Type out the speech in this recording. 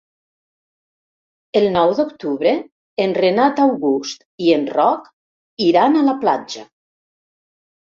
El nou d'octubre en Renat August i en Roc iran a la platja.